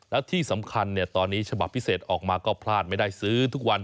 แล้วที่สำคัญตอนนี้ฉบับพิเศษออกมาก็พลาดไม่ได้ซื้อทุกวัน